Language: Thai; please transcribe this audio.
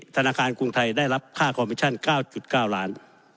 ธนาคารกรุงไทยได้รับค่าคอมมิชั่น๙๙ล้าน